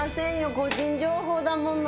個人情報だもの。